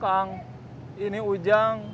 kang ini ujang